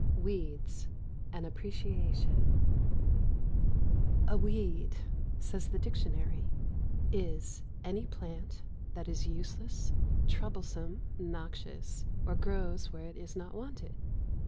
XX WEEDS: AN APPRECIATION A weed, says the dictionary, is "any plant that is useless, troublesome, noxious or grows where it is not wanted."